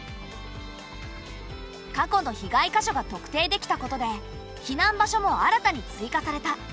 過去の被害箇所が特定できたことで避難場所も新たに追加された。